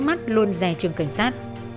mắt luôn dài trường cảnh sát